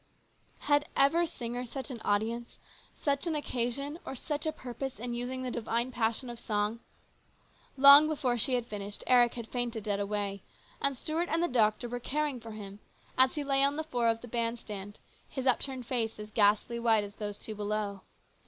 Had ever singer such an audience, such an occasion, or such a purpose in using the divine passion of song ? Long before she had finished, Eric had fainted dead away, and Stuart and the doctor were caring for him as he lay on the floor of the band stand, his upturned face as ghastly white as those two below.